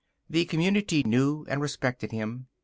The community knew and respected him.